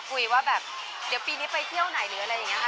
คุยว่าแบบเดี๋ยวปีนี้ไปเที่ยวไหนหรืออะไรอย่างนี้ค่ะ